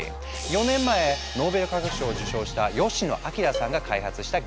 ４年前ノーベル化学賞を受賞した吉野彰さんが開発した技術なんです。